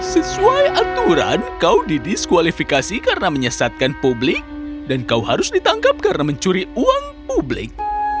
sesuai aturan kau didiskualifikasi karena menyesatkan publik dan kau harus ditangkap karena mencuri uang publik